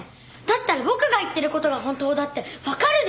だったら僕が言ってる事が本当だってわかるでしょ！？